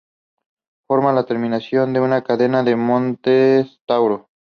Forma la terminación de una cadena de los montes Tauro.